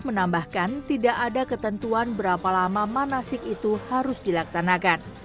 menambahkan tidak ada ketentuan berapa lama manasik itu harus dilaksanakan